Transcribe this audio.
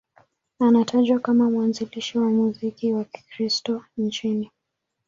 Anatajwa kama mwanzilishi wa muziki wa Kikristo nchini.